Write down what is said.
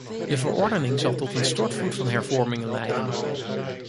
De verordening zal tot een stortvloed van hervormingen leiden.